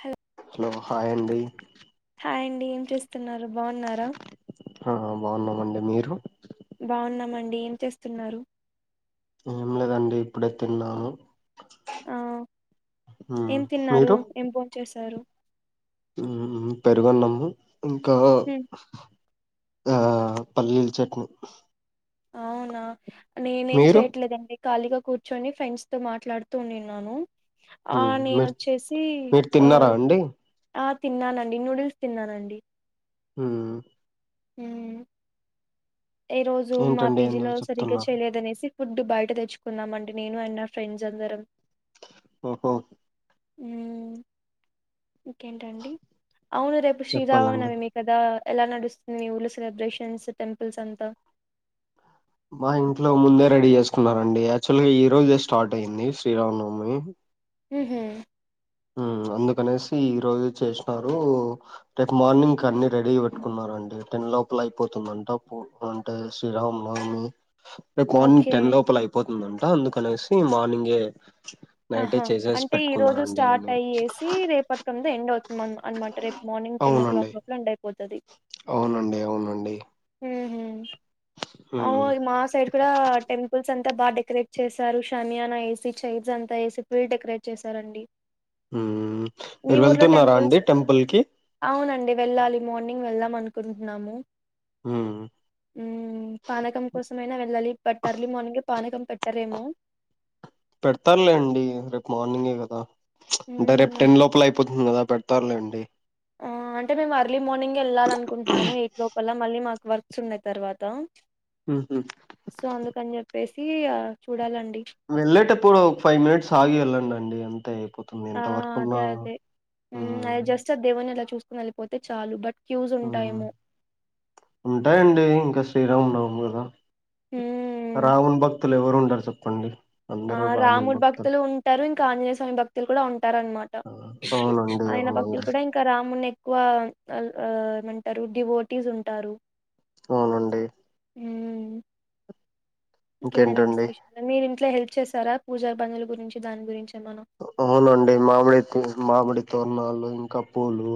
Hello hello hi అండి hi అండి ఏం చేస్తున్నారు బవున్నారా హా హా బాగున్నామండి మీరు బాగున్నామండి ఏం చేస్తున్నారు ఏం లేదండి ఇప్పుడే తిన్నాాను ఆ ఏం తిన్నారు ఏం బోన్ చేసారు మ్ పెరుగన్నాము ఇంకా ఆ పల్లీల్ చట్నీ అవునా నేనేం మీరు చేయట్లేదండి ఖాళీగా కూర్చొని ఫ్రెండ్స్ తో మాట్లాడుతూ ఉనిన్నాను ఆ మ్మ్ మీరు నేనోచ్చేసి మీరు ఆ తిన్నారా అండి ఆ తిన్నానండి నూడిల్స్ తిన్నానండి హుమ్ మ్ ఏ రోజు మా ఏంటండి ఏందో పీజీలో సరిగ్గా చెప్తున్నారు చేయలేదనేసి ఫుడ్ బయట తెచ్చుకునామ్ అండి నేను అండ్ నా ఫ్రెండ్స్ అందరం ఓహో మ్ ఇంకేంటండి అవును రేపు చెప్పాలండి శ్రీరామానవమీ కదా ఎలా నడుస్తుంది మీ ఊళ్ళో సెలబ్రేషన్స్ టెంపుల్స్ అంతా మా ఇంట్లో ముందే రెడీ చేసుకున్నారండి యాక్చువల్గ ఈ రోజే స్టార్ట్ అయిింది శ్రీరామనవమి మ్ హు మ్ అందుకనేసి ఈ రోజె చేసినారు రేపు మార్నింగ్ కన్ని రెడీగ పెట్టుకున్నారు అండి టెన్ లోపలైపోతుందంట ప్ అంటే శ్రీరామనవమి రేపు మార్నింగ్ ఓకే టెన్ లోపల అయిపోతుందంట అందుకనేసి మార్నింగే నైటే ఆహా చేసేసి అంటే ఈ రోజు పెట్టుకున్నారండి స్టార్ అన్ని. ట్రైయ్యేసి రేపటికంత ఎండ్ అవుతుందన్నమాట రేపు మార్నింగ్ టెన్ ఓ అవునండి క్లాక్ లోపల ఎండై అవునండి అవునండి మ్ హు అవు ఉమ్ మా సైడ్ కూడా టెంపుల్స్ అం త బాగా డెకరేట్ చేశారు షనియానా ఎసి చైర్స్ అంతా ఎసి ఫుల్ డెకరేట్ చేసారండి ఉమ్ మీ మీరు ఊర్లో వెళ్తున్నారా అండి టెంపుల్స్ టెంపుల్ కి అవునండి వెళ్ళాలి మార్నింగ్ వెళ్దాం అనుకుంటున్నాము ఉమ్ మ్ పానకం కోసమైనా వెళ్ళాలి బట్ ఎర్లీ మార్నింగే పానకం పెట్టారేమొ పెడుతాల్లేండి రేపు మార్నింగే కదా అంటే రేపు మ్మ్ టెన్ లోపలైపోతుంది కదా పెడుతారులేండి మ్ అంటే మేము అర్లీ మార్నింగ్ ఎళ్ళాలనుకుంటున్నాము ఎయిట్ లోపల మళ్ళీ మాక్ వర్క్స్ ఉన్నాయి తర్వాత మ్ హు కి ఇగ చూడాలం వెళ్ళేటప్పుడు ఒక ఫైవ్ మినిట్స్ ఆగి ఎళ్ళండి అండి అంతే అయిపోతుంది. ఆ ఎంతవరకున్నా అదే అదే మ్ హ్మ్. జస్ట్ అ దేవుని అలా చూసుకకొని వెళ్ళిపోతే చాలు బట్ క్యూస్ మ్ ఉంటాయేమో ఉంటాయండి ఇంకా శ్రీరామనవమి కదా ఉమ్, రాముని భక్తులు ఎవరు ఉండరు చెప్పండి ఆ రాముడు భక్తులు ఉంటారు ఇంకా ఆంజనేయ స్వామి భక్తులు కూడా ఉంటారు అనమాట ఆ! అవునండి. అయినా భక్తులు అవునండి. కూడా ఇంకా రాముని ఎక్కువ ఏమంటారు డివోటీస్ ఉంటారు అవునండి మ్ ఇంకేంటండి విశ్లేషంగా మీరింట్లో హెల్ప్ చేస్తారా పూజా పనుల గురించి దాని గురించి ఏమన్నా అవునండి మామిడి త్ మామిడి తోరణాలు ఇంకా పూలు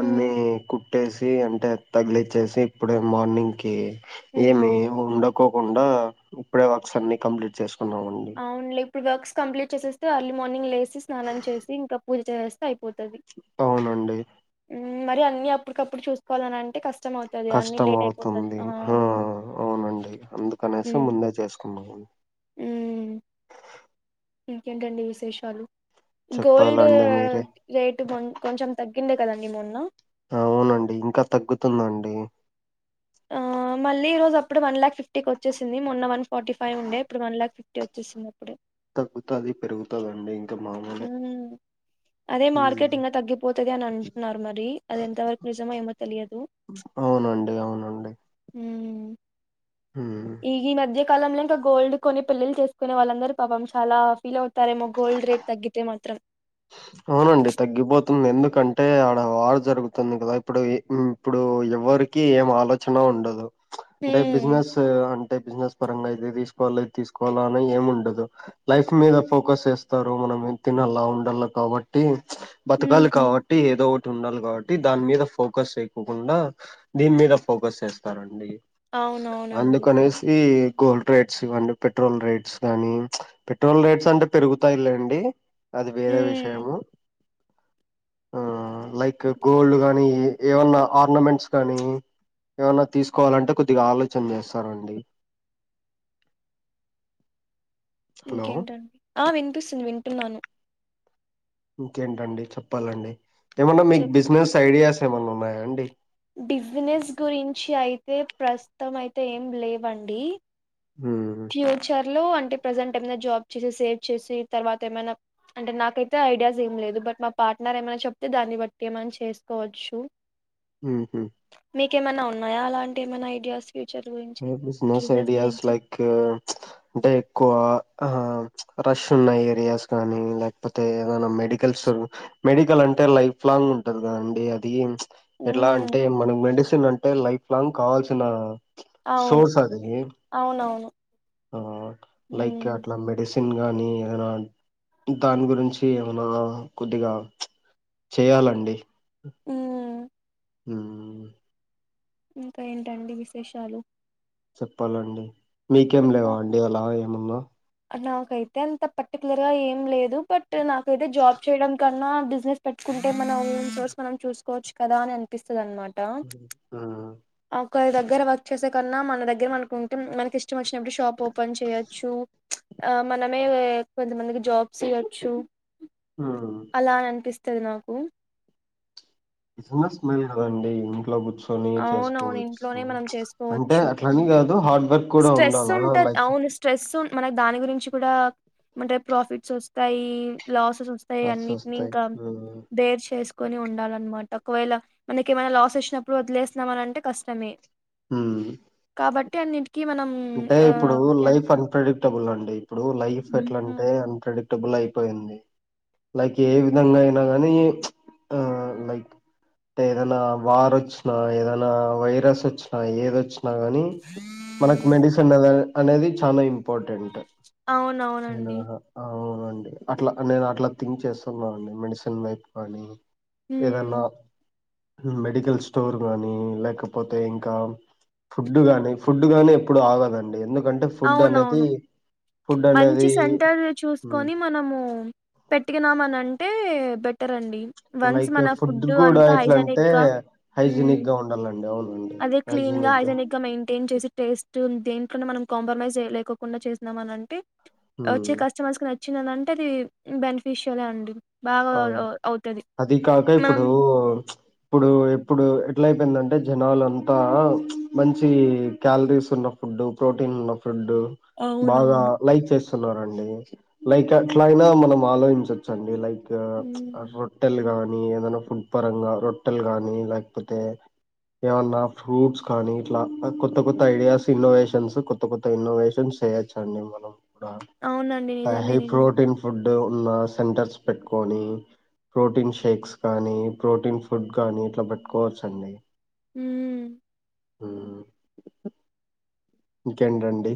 అన్నీ ఉమ్, కుట్టేసి అంటే తగిలిచ్చేసి ఇప్పుడే మార్నింగ్ కీ ఉమ్. ఏమి ఉండకోకుండా ఇప్పుడే వర్క్స్ అన్ని కంప్లీట్ చేసు అవునులే ఇప్పుడు వర్క్స్ కంప్లీట్ చేసేస్తే అర్లీ మార్నింగ్ లేసి స్నానం చేసి ఇంకా పూజ చేస్త అయిపోతది అవునండి. ఉమ్ మరి అన్ని అప్పటికప్పుడు చూసుకోవాలనింటే కష్ట కష్టమవుతుంది ఆ అవునండి అందుకనేసి ముందే చేసుకున్నా ఉమ్మ్ ఇంకేంటండి విశేషాలు గోల్డ్ చెప్పాలండి మీరే. రేటు కొ కొంచం తగ్గిం కదండి మొన్న అవునండి ఇంకా తగ్గుతుందండి ఆ మళ్ళీ ఈరోజప్పుడే వన్ లాక్ ఫిఫ్టీ కొచ్చేసింది మొన్న వన్ ఫార్టీ ఫైవ్ ఉండే ఇప్పుడు వన్ లాక్ ఫిఫ్టీ ఒచ్చేసిందప్పుడే తగ్గుతాది పెరుగుతాదండి ఉమ్ అదే హ్మ్. మార్కెట్ ఇంగా తగ్గిపోతది అని అంటున్నారు మరి అది ఎంతవరకు నిజమో ఏమో తెలియదు అవునండి అవును ఊమ్ హ్మ్. ఈ ఈ మధ్య కాలంలో ఇంకా గోల్డ్ కొని పెళ్ళిళ్లు చేసుకునే వాళ్ళందరూ పాపం చాలా ఫీల్ అవుతారేమో గోల్డ్ రేట్ తగ్గితే మాత్రం అవునండి తగ్గిపోతుంది ఎందుకంటే ఆడ వార్ జరుగుతుంది కదా ఇప్పుడు ఇ ఇప్పుడు ఎవరికి ఏం ఆలోచన ఉండదు అంటే బిజినెస్ అంటే బిజినెస్ పరంగా అయితే తీసుకో ఇది తీసుకోవాల అని ఏం ఉండదు లైఫ్ మీద ఫోకస్ చేస్తారు మనం తినాల ఉండాల కాబట్టి బతకాలి ఉహు కాబట్టి ఏదో ఓ ఉండాలి కాబట్టి దాని మీద ఫోకస్ చేయకకుండా దీని మీద ఫోకస్ చేస్తారండి అవునవునండి అందుకనేసి గోల్డ్ రేట్స్ ఇవ్వండి పెట్రోల్ రేట్స్ గానీ పెట్రోల్ రేట్స్ అంటే పెరుగుతాయిలేండి అది వేరే విష మ్మ్ ఆ లైక్ గోల్డ్ గానీ ఏ ఏమన్నా ఆర్నమెంట్స్ గానీ ఏమన్నా తీసుకోవాలంటే కొద్దిగా ఆలోచన చేస్తారండి హలో ఇంకేంటం ఆ వినిపిస్తుంది వింటున్నాను ఇంకేంటండి చెప్పాలండి ఏమన్నా మీకు చెప్ బిజినెస్ ఐడియాస్ ఏమన్నా ఉన్నాయా అండి బిజినెస్ గురించి అయితే ప్రస్తుతం అయితే ఏం లేవండి ఉమ్ ఫ్యూచర్ లో అంటే ప్రజెంట్ ఏమైనా జాబ్ చేసి సేవ్ చేసి తర్వాత ఏమైనా అంటే నాకైతే ఐడియాస్ ఏం లేదు బట్ మా పార్ట్నర్ ఏమైన్నా చెప్తే దాన్ని బట్టి ఏమన్న చేసుకోవచ్చు ఉమ్ హు మీకేమన్నా ఉన్నాయా అలాంటి ఏమైనా ఐడియాస్ ఫ్యూచర్ గురించి ఉమ్ బిజినస్ బిజినెస్ ఐడియాస్ గురించి లైక్ అంటే ఎక్కువ ఆ రష్ ఉన్న ఏరియాస్ కానీ లేకపోతే ఏదన్న మె మెడికల్ స్టోర్ మెడికల్ అంటే లైఫ్ లాంగ్ ఉంటంది కదండి అది ఎట్లా ఉమ్ అంటే మనకు మెడిసిన్ అంటే లైఫ్ లాంగ్ కావాల్సిన అవును సోర్స్ అది అవునవును ఆ లైక్ ఉమ్ అట్లా మెడిసి సిన్ గానీ ఏమన దాని గురించి ఏమనా కొద్దిగా చేయాలండి మ్ మ్ ఇంకా ఏంటండి విషేషాలు చెప్పాలండి మీకేం లేవండి అలా ఏమన్నా నాకైతే అంత పర్టికులర్ గా ఏం లేదు బట్ నాకైతే జాబ్ చేయడం కన్నా బిజినెస్ పెట్టు అంటే మనం సోర్స్ మనం చూసుకోవచ్చు కదా అని అనిపిస్తుంది అనమాట అ కరి దగ్గర వర్క్ చేసే కన్నా మన దగ్గర మనకు ఉంటే మనకిష్టమొచ్చినప్పుడు షాప్ ఓపెన్ చేయొచ్చు మ్ మనమే కొంతమందికి జాబ్స్ ఇయోచ్చు అలా అని అనిపిస్తది నాకు బిజినెస్ ఉండాలి కదండి ఇంట్లో కూర్చ నే అవునవును చేసుకోవచ్చు ఇంట్లోనే మనం అంటే చేసుకోవచ్చు ఉమ్ అట్లాని కాదు హార్డ్ వర్క్ కూడా ఉండాల లైక్ సో మనక్ దాని గురించి కూడా అంటే ప్రాఫిట్స్ వస్తాయి లాస్ సెస్ వస్తాయి అట్స్ అన్నిటిని వస్తాయి ఇంకా బేర్ చేసుకొని ఉండాలన్నమాట ఒకవేళ మనకేమైనా లాస్ వచ్చినప్పుడు వదిలేస్తున్నాం అని అంటే కష్టమే మ్ బట్టి అన్నిట్ అంటే ఇప్పుడు లైఫ్ అంన్ప్రేడక్టబుల్ అండి ఇప్పుడు లైఫ్ ఎట్లా హ్మ్. అంటే అన్ప్రొడ టేబుల్ అయిపోయింది లైక్ ఏ విధంగా అయినా ఆ లైక్ టే ఏదైనా వారొచ్చినా ఏదైనా వైరస్ వచ్చినా ఏదొచ్చి న గాని ఫ్ అనేద అనేది చాన ఇంపార్టెంట్ నేను అవునవునండి ఆహా అవునండి అట్లా నేను అట్లా థింక్ న చేస్తున్నా అండి మెడిసిన్ వైపు కానీ హ్మ్. ఏదన్నా మెడికల్ స్టోర్ గానీ లేకపోతే ఇంకా ఫుడ్ గాని ఫుడ్ డ్ గాని ఎప్పుడు ఆగదండి ఎందుకంటే ఫుడ్ అనేది అవునవును. ఫుడ్ మంచి అనేది సెంటర్ చూసుకొని మనము పెట్టినమానన్ టే బెటర్ అండి వన్స్ లైక్ మన ఫుడ్ కూడా అంత ఎట్లా హైజానిక్ అంటే గా మ్ హైజీనిక్ గా ఉండాలండి అవునండి అదే క్లీన్ గా హైజీనిక్ హైజానిగ్గా మెయింటైన్ చేసి టేస్ట్ దేంట్లోను మనం కాంప్రమైజ్ జెలోకుండా చేసినాం అని అంటే ఉమ్, వచ్చే కస్టమర్స్ న చ్చినందంటే రి బెన్ఫిషలే అండి బాగా ఆ అవుతది అది కాక మనం ఇప్పుడు ఇప్పుడు ఇప్పుడు ఎట్లా టంటే జనాలంతా మంచి క్యాలరీస్ ఉన్న ఫుడ్డు ప్రోటీన్ ఉన్న ఫుడ్ బాగా అవునవును లైక్ చేస్ స్తున్నారు అండి లైక్ అట్లాయినా మనం ఆలోచించొచ్చండి లై క్ హ్మ్ రొట్టెలు గాని ఏదనా ఫుడ్ పరంగా రొట్టెలు గానీ లేకపోతే ఏమన్నా ఫ్రూట్స్ కానీ ఇట్లా కొత్త కొత్త ఐడియాస్ ఇన్నోవేషన్స్ కొత్త కొత్త ఇన్నోవేషన్స్ చేయచ్చండి మనం కూడా అవునండి నిజమే హై నిజమే ప్రోటీన్ ఫుడ్ ఉన్న సెంటర్స్ పెట్టుకొని ప్రోటీన్ షేక్స్ కానీ ప్రోటీన్ ఫుడ్ కానీ ఇట్లా పట్టుకోవచ్చు అండి మ్ మ్ ఇంకేంటండి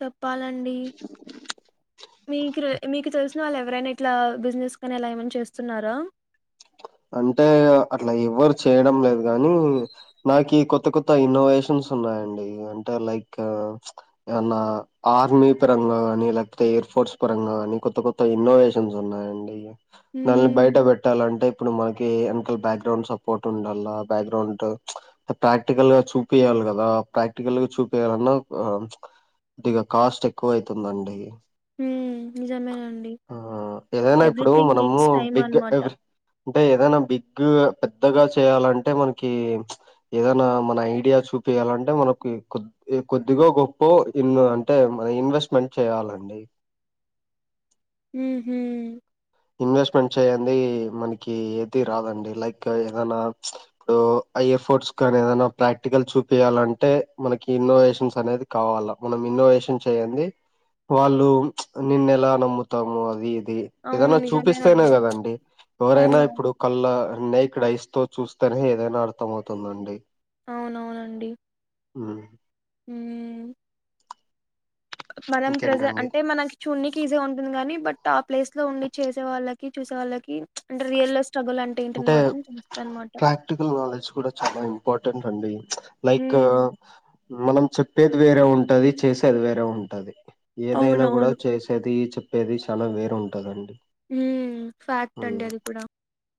చెప్పాలండి మీక్ రే మీకు తెలిసిన వాళ్ళు ఎవరైనా ఇట్లా బిజినెస్ కాని ఎలా ఏమైనా చేస్తున్నారా అంటే అట్లా ఎవ్వరు చేయడం లేదు కానీ నాకు ఈ కొత్త కొత్త ఇన్నోవేషన్స్ సున్నాయండి అంటే లైక్ ఏమైనా ఆర్మీ పరంగా కానీ లేకపోతే ఫోర్స్ పరంగా అని కొత్త కొత్త ఇన్నోవేషన్స్ ఉన్నాయండి మళ్ బయట హ్మ్ పెట్టాలంటే డు మనకి ఎన్నికల బాక్గ్రౌండ్ సపోర్ట్ ఉండాల బ్యాక్గ్రౌండ్ ప్రాక్టికల్ గా చూపియాలి కదా ప్రాక్టికల్ గా చూపియాలన్నా ఇగా కాస్ట్ ఎక్కువ అయితుందండి హ్మ్మ్ నిజమేనండి అ ఏదైనా ఇప్పుడు ఎవ్రీథింగ్ మనము నీడ్స్ టైమ్ బిగ్ అన్నమాట ర్ అంటే ఏదనా బిగ్ పెద్దగా చేయాలంటే మనకి ఏదన్న మన ఐడియా చూపియల్ అంటే మనకి కొద్ది కొద్దిగో గొప్పో ఇన్న అంటే మనం ఇన్వెస్ట్మెంట్ చేయాలండి ఉహు ఇన్వెస్ట్మెంట్ చేయంది మనకి ఏది రాదండి లైక్ ఏదైనా ఇప్పుడు ఆ ఎఫోర్ట్స్ కానీ ఏదనా ప్రాక్టికల్ చూపియాలంటే మనకి ఇన్నోవేషన్స్ అనేది కావాలా మనం ఇన్నోవేషన్ చేయంది వాళ్ళు నిన్ను ఎలా నమ్ముతాము అది ఇది అవును ఏదనా చూపిస్తేనే నిజమేనండి గదండి ఎవరైనా అవునవును ఇప్పుడు కాళ్ళ అన్నే ఇక్కడ ఐస్ తో చూస్తేనే ఏదైనా అర్థం అవుతుందండి అవునవునండి ఉమ్ ఉమ్ మనం ప్రెజెంట్ ఇంకేంటండి అంటే మనకి చూనికి ఈజీగా ఉంటుంది గానీ బట్ టా ప్లేస్ లో ఉండి చేసే వాళ్ళకి చూసే వాళ్ళకి అంటే రియల్ స్ట్రగుల్ ఏంటని అంటే మాత్రం తెలుస్తది అనమాట ప్రాక్టికల్ నాలెడ్జ్ కూడా చాలా ఇంపా పార్టెంట్ అండి లైక్ హ్మ్ మనం చెప్పేది వేరే ఉంటది చేసేది వేరే ఉంటది ఏదైనా గూడా అవునవును చేసేది చెప్పేది చాలా వేరు ఉంటదండి ఉమ్ ఫ్యాక్ట్ అండి ఉమ్, అది కూడా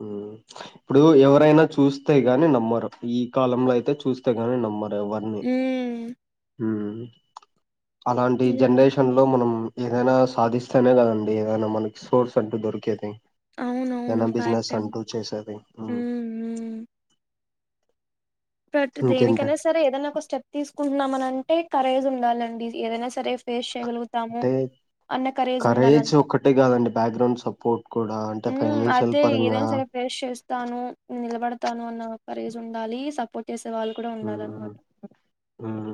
ఉమ్ ఇప్పుడు ఎవరైనా చూస్తే గాని నమ్మరు ఈ కాలంలో అయితే చూస్తే గాని నమ్మరు ఇవన్నీ హ్మ్ ఉమ్ అలాంటి నిజమే. జనరేషన్ లో మనం ఏదైనా సాధిస్తేనే గదండి ఏదైనా మనకి సోర్స్ అంటూ దొరికేది అవునవును ఫ్యాక్ట్ అండి చేేసేది ఉమ్ హ్మ్ హ్మ్ బట్ దేనికైనా ఇంకేంటంటే సరే ఏదైనా ఒక స్టెప్ తీసుకుంటున్నాం అని అంటే కరేజ్ ఉండాలండి ఏదైనా సరే ఫేస్ చేయగలుగుతాము అన్న కరేజ్ ఉండాలన్నమాట ఒక్కటే కాదండి బ్యాక్గ్రౌండ్ సపోర్ట్ కూడా అంటే ఉమ్ ఫైనాన్షియల్ అదే పరంగా ఏదైనా సరే ఫేస్ చేస్తాను నిలబడతాను అన్న కరేజ్ ఉండాలి సపోర్ట్ చేసే వాళ్ళు కూడా ఉండాలి ఉమ్ అన్నమాట ఉమ్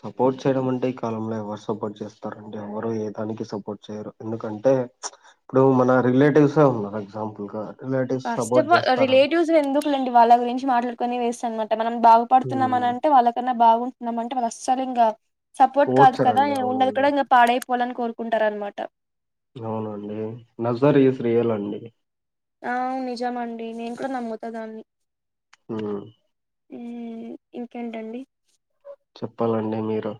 సపోర్ట్ చేయడం అంటే ఈ కాలంలో ఎవరు సపోర్ట్ జేస్తారండి ఎవరు ఏ దానికి సపోర్ట్ చేయరు ఎందుకంటే ఇప్పుడు మన రిలేటివ్సే ఉన్నారు ఎగ్జాంపుల్ గా రిలేటివ్స్ సపోర్ట్ ఫస్ట్అఫ్అల్ చేస్తారా రిలేేటివ్స్ ఎందుకు లేండి వాళ్ళ గురించి మాట్లాడుకోని వేస్ట్ అనమాట మనం బాగుపడుతున్నాం అని ఉమ్ అంటే వాళ్ళకన్నా బాగు ఉన్నామంటే వాళ్ళు అస్సలు ఇంకా సపోర్ట్ కాదు కదా ఓడ్చరండి ఉన్నది అవునండి కూడా ఇంగ పాడైపో పోవలని కోరుకుంటారనమాట అవునండి నజ్జర్ ఇస్ రియలండి అవును నిజమండి నేను కూడా నమ్ముతా దాన్ని ఉమ్ ఉమ్మ్ ఇంకేంటండి చెప్పాలండి మీరు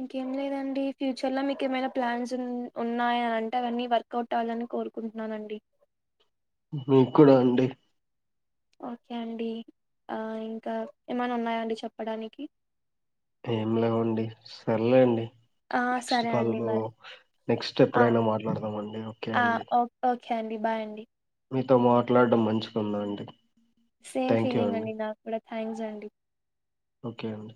ఇంకేం లేదండి ఫ్యూచర్ లో మీకు ఏమైనా ప్లాన్స్ ఉన్ ఉన్నాయ అంటే అవన్నీ వర్క్ అవుట్ అవ్వాలని కో రుకుంటున్నానండి మీకూడండి ఓకే అండి అ ఇంకా ఏమనా ఉన్నాయా అండి చెప్పడానికి ఏం లేవండి సర్లే అండి ఆ నెక్స్ట్ సరే కాల్ అండి లో మరి. నెక్స్ట్ ఆ! ఎప్పుడైనా మాట్లాడదాం అండి ఓకే ఆ! అండి ఓ ఓకే అండి బాయ్ అండి మీతో మాట్లాడడం మంచిగుందండి సేమ్ థ్యాంక్ యూ ఫీలింగ్ అండి నాకు కూడా థ్యాంక్స్ అండి ఓకే అండి